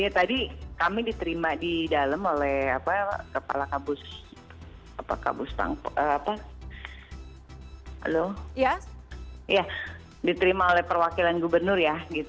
tadi kami diterima di dalam oleh kepala kabus pangpok diterima oleh perwakilan gubernur ya